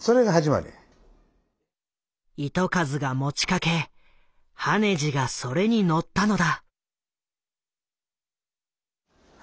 糸数が持ちかけ羽地がそれに乗ったのだ。